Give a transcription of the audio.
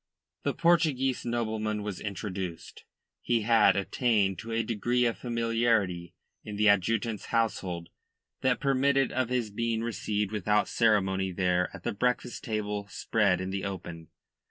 The Portuguese nobleman was introduced. He had attained to a degree of familiarity in the adjutant's household that permitted of his being received without ceremony there at that breakfast table spread in the open.